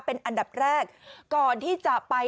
เป็นอันดับแรกก่อนที่จะไป